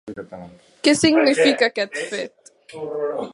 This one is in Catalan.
Què significava aquest fet?